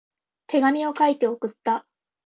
手紙を書いて送った。